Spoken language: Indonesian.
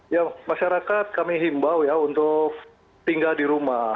ya masyarakat kami himbau ya untuk tinggal di rumah